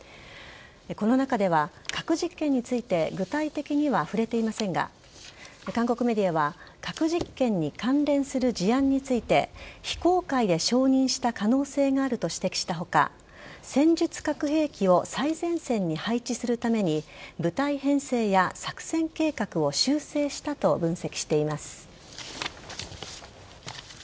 この中では核実験について具体的には触れていませんが韓国メディアは核実験に関連する事案について非公開で承認した可能性があると指摘した他戦術核兵器を最前線に配置するために部隊編成や作戦計画を修正したと分析しています。